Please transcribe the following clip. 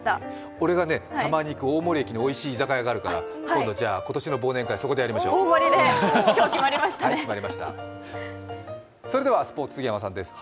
俺がたまに行く大森駅においしい居酒屋あるから今度じゃあ、今年の忘年会、そこでやりましょうそれではスポーツ、杉山さんです。